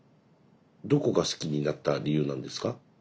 どこが好きになった理由なんですか？